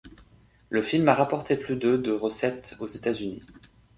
Le film a rapporté plus de de recettes aux États-Unis.